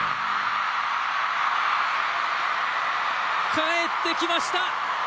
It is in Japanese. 帰ってきました。